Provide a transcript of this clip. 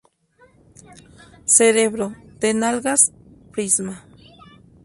Cerebro, De Nalgas, Prisma.